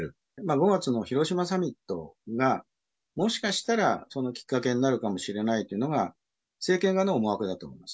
５月の広島サミットが、もしかしたらそのきっかけになるかもしれないというのが、政権側の思惑だと思います。